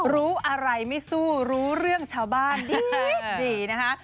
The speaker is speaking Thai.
รู้อะไรไม่สู้รู้เรื่องชาวบ้านที่ขายดีนะคะ